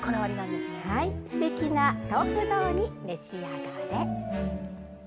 すてきな豆腐雑煮、召し上がれ。